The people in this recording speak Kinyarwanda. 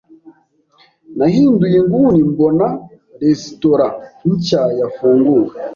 Nahinduye inguni mbona resitora nshya yafunguwe.